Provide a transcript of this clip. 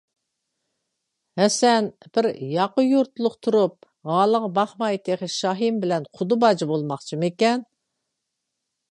ھەسەن بىر يوق يۇرتلۇق تۇرۇپ ھالىغا باقماي تېخى شاھىم بىلەن قۇدا باجا بولماقچىمىكەن؟